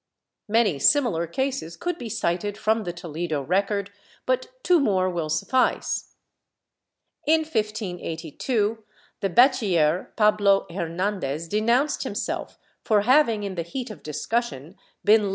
Many similar cases could be cited from the Toledo record, but two more will suffice. In 1582, the Bachiller Pablo Hernandez denounced himself for having, in the heat of discussion, been led on » Rojas de Hsret.